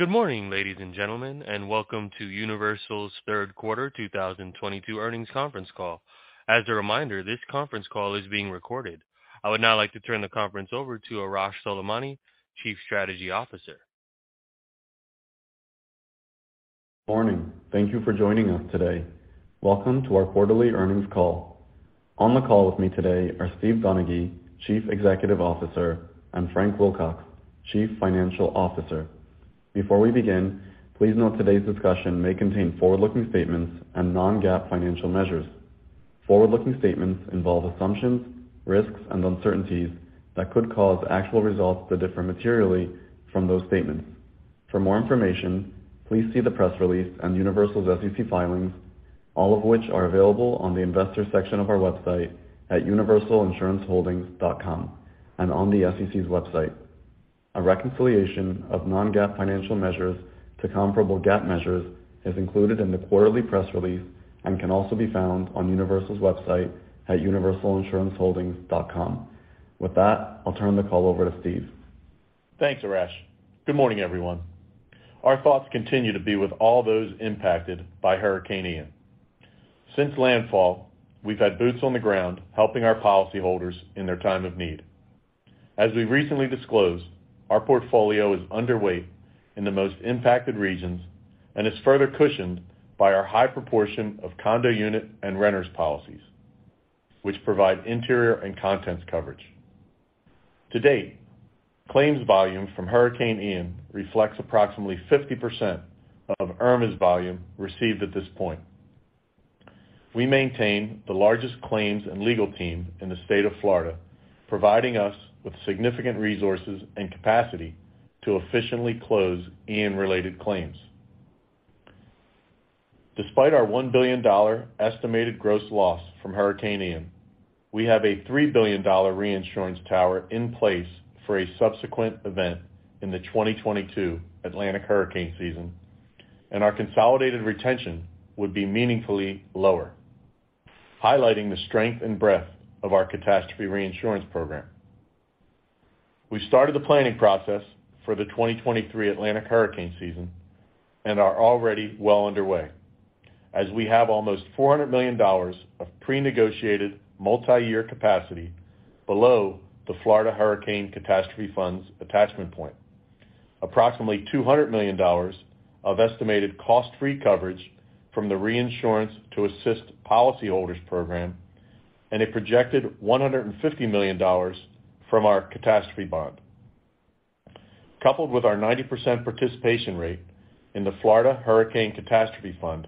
Good morning, ladies and gentlemen, and welcome to Universal's third quarter 2022 earnings conference call. As a reminder, this conference call is being recorded. I would now like to turn the conference over to Arash Soleimani, Chief Strategy Officer. Morning. Thank you for joining us today. Welcome to our quarterly earnings call. On the call with me today are Steve Donaghy, Chief Executive Officer, and Frank Wilcox, Chief Financial Officer. Before we begin, please note today's discussion may contain forward-looking statements and Non-GAAP financial measures. Forward-looking statements involve assumptions, risks, and uncertainties that could cause actual results to differ materially from those statements. For more information, please see the press release on Universal's SEC filings, all of which are available on the Investors section of our website at universalinsuranceholdings.com and on the SEC's website. A reconciliation of Non-GAAP financial measures to comparable GAAP measures is included in the quarterly press release and can also be found on Universal's website at universalinsuranceholdings.com. With that, I'll turn the call over to Steve. Thanks, Arash. Good morning, everyone. Our thoughts continue to be with all those impacted by Hurricane Ian. Since landfall, we've had boots on the ground helping our policyholders in their time of need. As we recently disclosed, our portfolio is underweight in the most impacted regions and is further cushioned by our high proportion of condo unit and renters policies, which provide interior and contents coverage. To date, claims volume from Hurricane Ian reflects approximately 50% of Irma's volume received at this point. We maintain the largest claims and legal team in the State of Florida, providing us with significant resources and capacity to efficiently close Ian-related claims. Despite our $1 billion estimated gross loss from Hurricane Ian, we have a $3 billion reinsurance tower in place for a subsequent event in the 2022 Atlantic hurricane season, and our consolidated retention would be meaningfully lower, highlighting the strength and breadth of our catastrophe reinsurance program. We started the planning process for the 2023 Atlantic hurricane season and are already well underway, as we have almost $400 million of pre-negotiated multiyear capacity below the Florida Hurricane Catastrophe Fund's attachment point. Approximately $200 million of estimated cost-free coverage from the Reinsurance to Assist Policyholders program and a projected $150 million from our catastrophe bond. Coupled with our 90% participation rate in the Florida Hurricane Catastrophe Fund,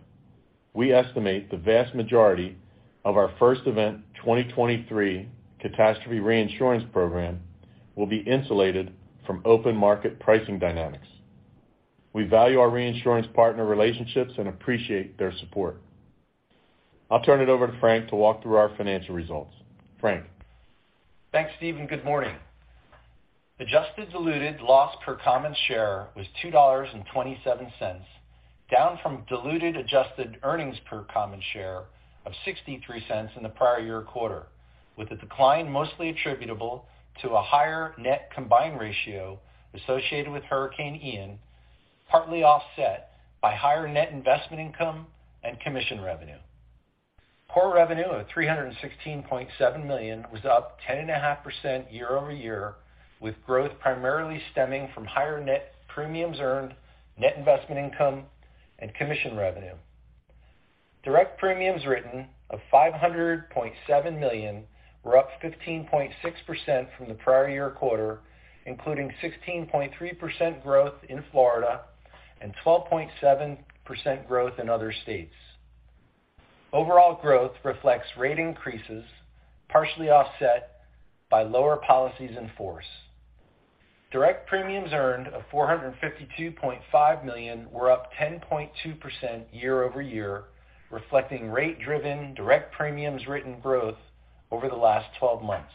we estimate the vast majority of our first event 2023 catastrophe reinsurance program will be insulated from open market pricing dynamics. We value our reinsurance partner relationships and appreciate their support. I'll turn it over to Frank to walk through our financial results. Frank. Thanks, Steve, and good morning. Adjusted diluted loss per common share was $2.27, down from diluted adjusted earnings per common share of $0.63 in the prior year quarter, with the decline mostly attributable to a higher net combined ratio associated with Hurricane Ian, partly offset by higher net investment income and commission revenue. Core revenue of $316.7 million was up 10.5% year-over-year, with growth primarily stemming from higher net premiums earned, net investment income, and commission revenue. Direct premiums written of $500.7 million were up 15.6% from the prior year quarter, including 16.3% growth in Florida and 12.7% growth in other states. Overall growth reflects rate increases, partially offset by lower policies in force. Direct premiums earned of $452.5 million were up 10.2% year-over-year, reflecting rate-driven direct premiums written growth over the last 12 months.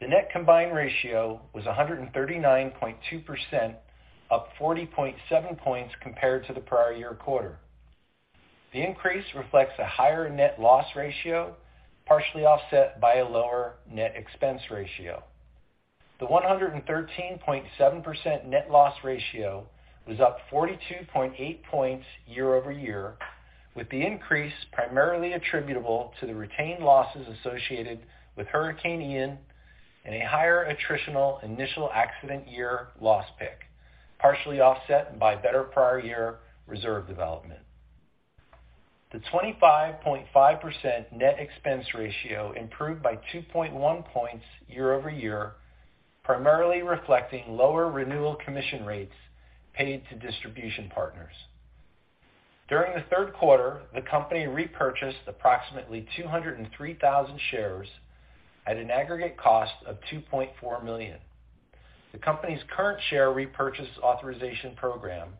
The net combined ratio was 139.2%, up 40.7 points compared to the prior year quarter. The increase reflects a higher net loss ratio, partially offset by a lower net expense ratio. The 113.7% net loss ratio was up 42.8 points year-over-year, with the increase primarily attributable to the retained losses associated with Hurricane Ian and a higher attritional initial accident year loss pick, partially offset by better prior year reserve development. The 25.5% net expense ratio improved by 2.1 points year-over-year, primarily reflecting lower renewal commission rates paid to distribution partners. During the third quarter, the company repurchased approximately 203,000 shares at an aggregate cost of $2.4 million. The company's current share repurchase authorization program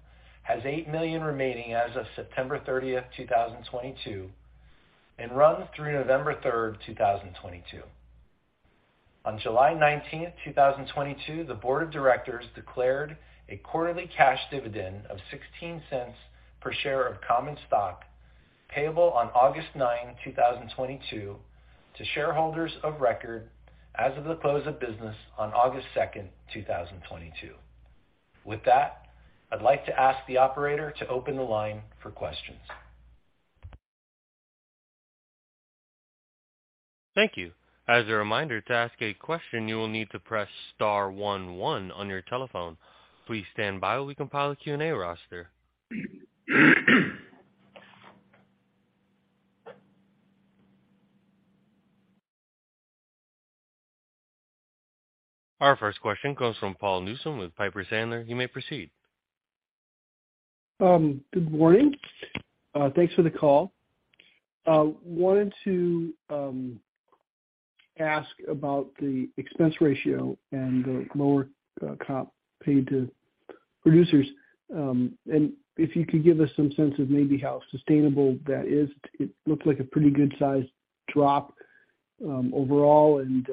has 8 million remaining as of September 30th, 2022, and runs through November 3rd, 2022. On July 19th, 2022, the board of directors declared a quarterly cash dividend of $0.16 per share of common stock payable on August 9th, 2022 to shareholders of record. As of the close of business on August 2nd, 2022. With that, I'd like to ask the operator to open the line for questions. Thank you. As a reminder, to ask a question, you will need to press star one one on your telephone. Please stand by while we compile a Q&A roster. Our first question comes from Paul Newsome with Piper Sandler. You may proceed. Good morning. Thanks for the call. Wanted to ask about the expense ratio and the lower comp paid to producers. If you could give us some sense of maybe how sustainable that is. It looks like a pretty good size drop, overall, and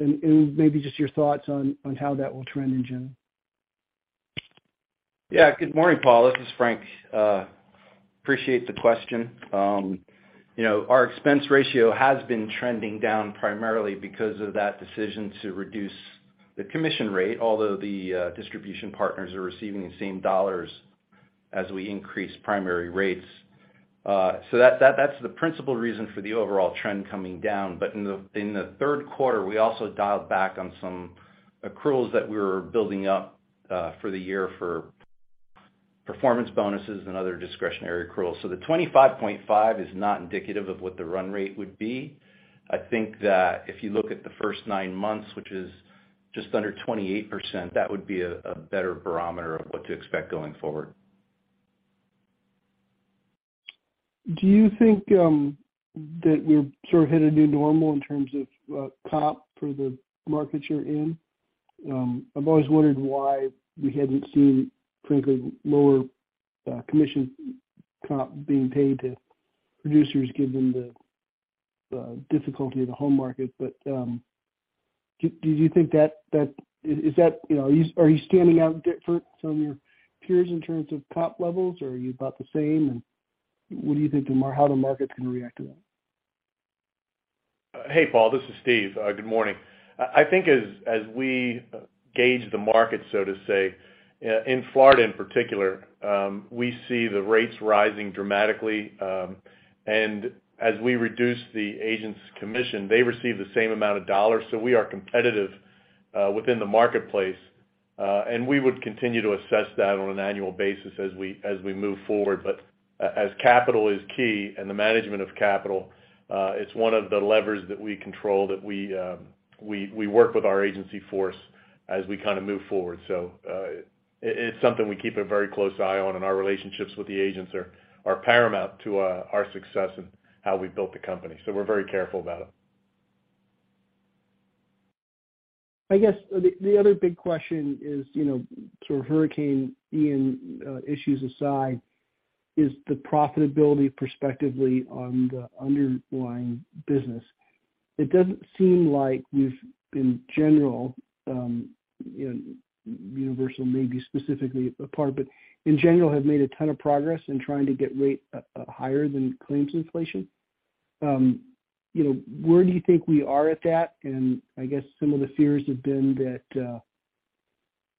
maybe just your thoughts on how that will trend in general. Yeah. Good morning, Paul. This is Frank. Appreciate the question. You know, our expense ratio has been trending down primarily because of that decision to reduce the commission rate, although the distribution partners are receiving the same dollars as we increase primary rates. That's the principal reason for the overall trend coming down. In the third quarter, we also dialed back on some accruals that we were building up for the year for performance bonuses and other discretionary accruals. The 25.5 is not indicative of what the run rate would be. I think that if you look at the first nine months, which is just under 28%, that would be a better barometer of what to expect going forward. Do you think that we're sort of headed to normal in terms of comp for the markets you're in? I've always wondered why we hadn't seen frankly lower commission comp being paid to producers given the difficulty of the home market. Do you think that is that, you know? Are you standing out for some of your peers in terms of comp levels, or are you about the same, and what do you think how the market's gonna react to that? Hey, Paul, this is Steve. Good morning. I think as we gauge the market, so to say, in Florida in particular, we see the rates rising dramatically, and as we reduce the agent's commission, they receive the same amount of dollars. We are competitive within the marketplace. We would continue to assess that on an annual basis as we move forward. As capital is key and the management of capital, it's one of the levers that we control that we work with our agency force as we kind of move forward. It's something we keep a very close eye on, and our relationships with the agents are paramount to our success and how we've built the company. We're very careful about it. I guess the other big question is, you know, sort of Hurricane Ian issues aside, is the profitability prospectively on the underlying business. It doesn't seem like you've, in general, you know, Universal maybe specifically apart, but in general have made a ton of progress in trying to get rate higher than claims inflation. You know, where do you think we are at that? I guess some of the fears have been that,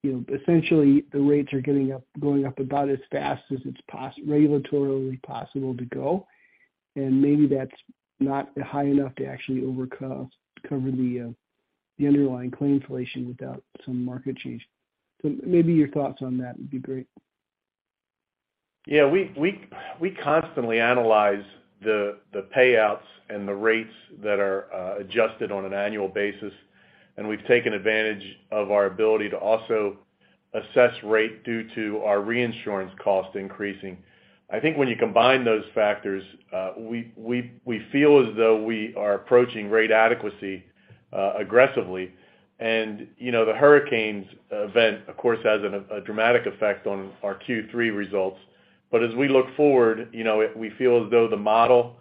you know, essentially the rates are going up about as fast as it's regulatorily possible to go, and maybe that's not high enough to actually cover the underlying claim inflation without some market change. Maybe your thoughts on that would be great. Yeah. We constantly analyze the payouts and the rates that are adjusted on an annual basis, and we've taken advantage of our ability to also assess rate due to our reinsurance cost increasing. I think when you combine those factors, we feel as though we are approaching rate adequacy aggressively. You know, the hurricanes event of course has a dramatic effect on our Q3 results. As we look forward, you know, we feel as though the model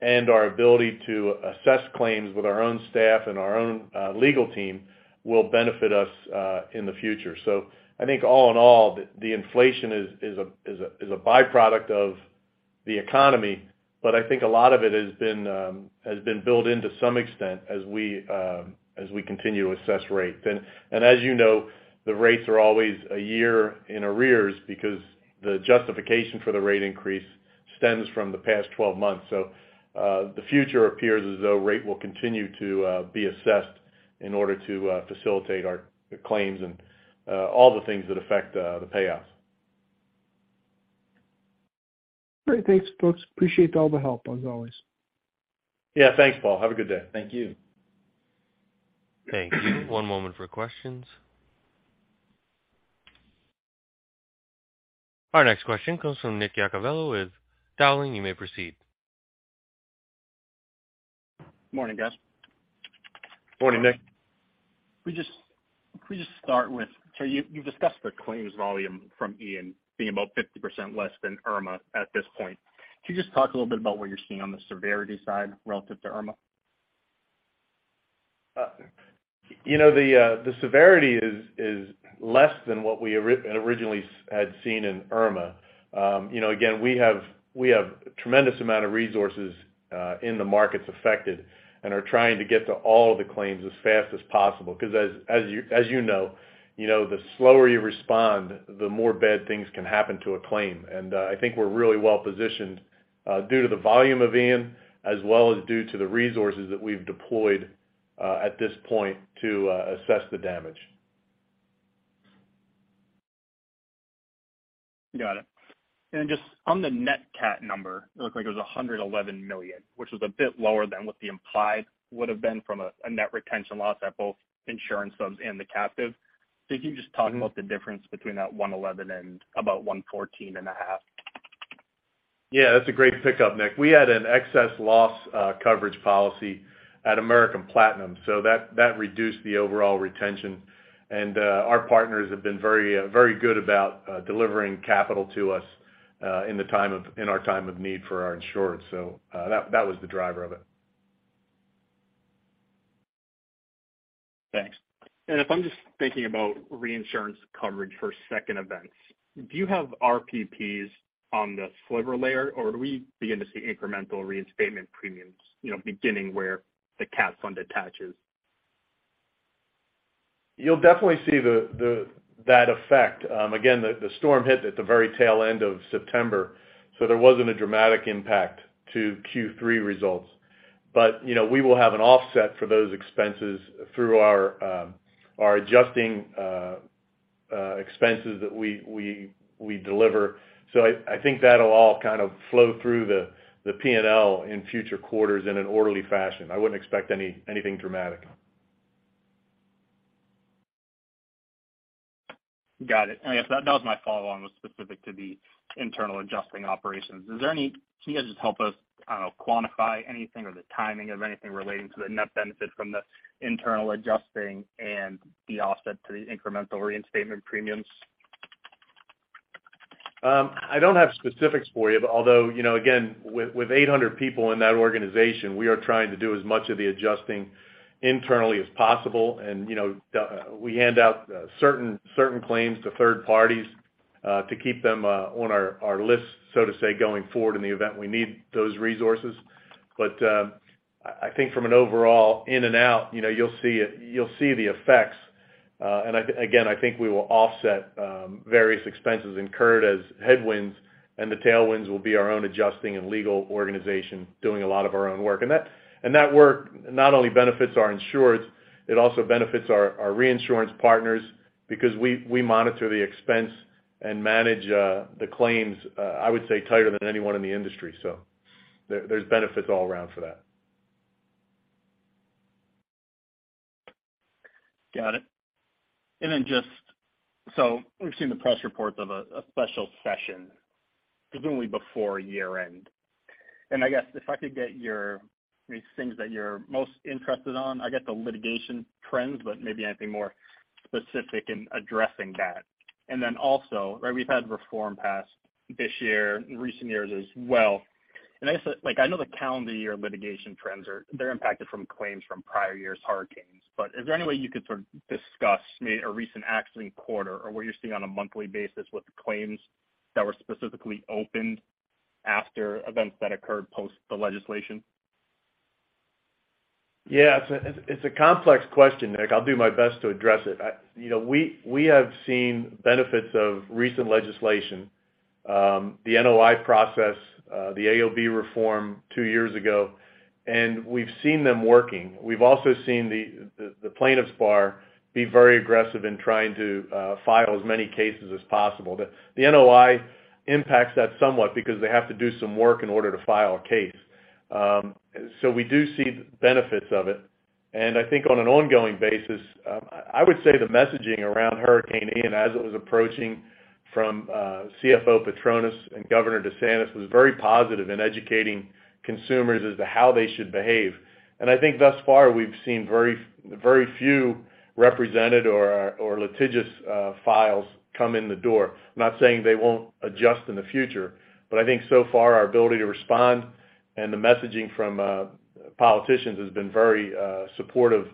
and our ability to assess claims with our own staff and our own legal team will benefit us in the future. I think all in all, the inflation is a byproduct of the economy. I think a lot of it has been built in to some extent as we continue to assess rates. As you know, the rates are always a year in arrears because the justification for the rate increase stems from the past twelve months. The future appears as though rate will continue to be assessed in order to facilitate our claims and all the things that affect the payoffs. Great. Thanks, folks. Appreciate all the help as always. Yeah. Thanks, Paul. Have a good day. Thank you. Thank you. One moment for questions. Our next question comes from Nick Iacovello with Dowling. You may proceed. Morning, guys. Morning, Nick. You've discussed the claims volume from Ian being about 50% less than Irma at this point. Can you just talk a little bit about what you're seeing on the severity side relative to Irma? You know, the severity is less than what we originally had seen in Irma. You know, again, we have tremendous amount of resources in the markets affected and are trying to get to all the claims as fast as possible, 'cause as you know, you know, the slower you respond, the more bad things can happen to a claim. I think we're really well positioned due to the volume of Ian, as well as due to the resources that we've deployed at this point to assess the damage. Got it. Just on the net cat number, it looked like it was $111 million, which was a bit lower than what the implied would have been from a net retention loss at both insurance subs and the captive. Can you just talk about the difference between that $111 million and about $114.5 million? Yeah, that's a great pickup, Nick. We had an excess loss coverage policy at American Platinum, so that reduced the overall retention. Our partners have been very good about delivering capital to us in our time of need for our insured. That was the driver of it. Thanks. If I'm just thinking about reinsurance coverage for second events, do you have RPPs on the Sliver Layer, or do we begin to see incremental reinstatement premiums, you know, beginning where the Cat Fund attaches? You'll definitely see that effect. Again, the storm hit at the very tail end of September, so there wasn't a dramatic impact to Q3 results. You know, we will have an offset for those expenses through our adjusting expenses that we deliver. I think that'll all kind of flow through the P&L in future quarters in an orderly fashion. I wouldn't expect anything dramatic. Got it. I guess that was my follow on, was specific to the internal adjusting operations. Can you guys just help us, I don't know, quantify anything or the timing of anything relating to the net benefit from the internal adjusting and the offset to the incremental reinstatement premiums? I don't have specifics for you, but although, you know, again, with 800 people in that organization, we are trying to do as much of the adjusting internally as possible. You know, we hand out certain claims to third parties to keep them on our list, so to say, going forward in the event we need those resources. But I think from an overall in and out, you know, you'll see the effects. And again, I think we will offset various expenses incurred as headwinds, and the tailwinds will be our own adjusting and legal organization doing a lot of our own work. That work not only benefits our insureds, it also benefits our reinsurance partners because we monitor the expense and manage the claims, I would say tighter than anyone in the industry. There's benefits all around for that. Got it. Just, so we've seen the press reports of a special session, presumably before year-end. I guess if I could get your, these things that you're most interested in, I get the litigation trends, but maybe anything more specific in addressing that. Right, we've had reform passed this year, in recent years as well. I guess, like, I know the calendar year litigation trends are, they're impacted from claims from prior years' hurricanes. Is there any way you could sort of discuss a recent accident quarter or what you're seeing on a monthly basis with the claims that were specifically opened after events that occurred post the legislation? Yeah. It's a complex question, Nick. I'll do my best to address it. You know, we have seen benefits of recent legislation, the NOI process, the AOB reform two years ago, and we've seen them working. We've also seen the plaintiffs' bar be very aggressive in trying to file as many cases as possible. The NOI impacts that somewhat because they have to do some work in order to file a case. We do see benefits of it. I think on an ongoing basis, I would say the messaging around Hurricane Ian as it was approaching from Jimmy Patronis and Ron DeSantis was very positive in educating consumers as to how they should behave. I think thus far, we've seen very few represented or litigious files come in the door. I'm not saying they won't adjust in the future, but I think so far our ability to respond and the messaging from politicians has been very supportive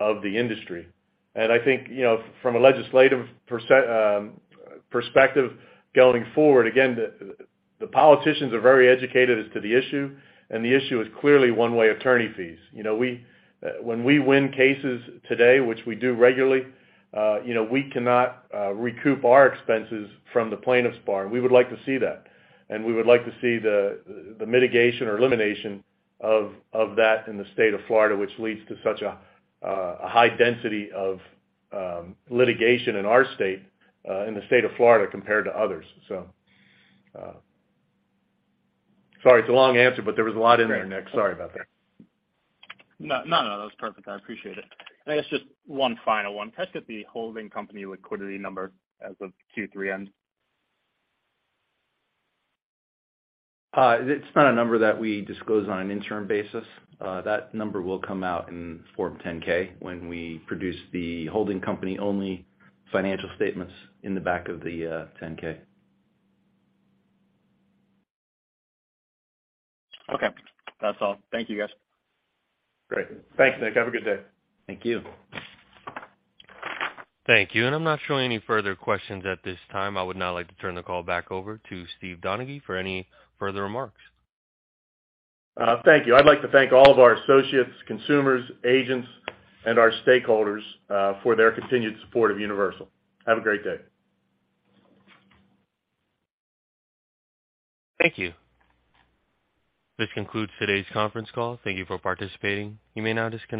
of the industry. I think, you know, from a legislative perspective going forward, again, the politicians are very educated as to the issue, and the issue is clearly one-way attorney fees. You know, we, when we win cases today, which we do regularly, you know, we cannot recoup our expenses from the plaintiffs' bar, and we would like to see that. We would like to see the mitigation or elimination of that in the State of Florida, which leads to such a high density of litigation in our state in the State of Florida compared to others. Sorry, it's a long answer, but there was a lot in there, Nick. Sorry about that. No, no, that was perfect. I appreciate it. I guess just one final one. Can I just get the holding company liquidity number as of Q3 end? It's not a number that we disclose on an interim basis. That number will come out in Form 10-K when we produce the holding company only financial statements in the back of the 10-K. Okay. That's all. Thank you guys. Great. Thanks, Nick. Have a good day. Thank you. Thank you. I'm not showing any further questions at this time. I would now like to turn the call back over to Steve Donaghy for any further remarks. Thank you. I'd like to thank all of our associates, consumers, agents, and our stakeholders, for their continued support of Universal. Have a great day. Thank you. This concludes today's conference call. Thank you for participating. You may now disconnect.